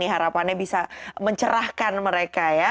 harapannya bisa mencerahkan mereka